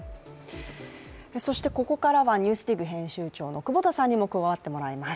そしてここからは「ＮＥＷＳＤＩＧ」編集長の久保田さんにも加わっていただきます。